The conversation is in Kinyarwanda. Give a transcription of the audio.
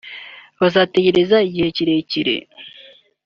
bazategereza Igihe kirekire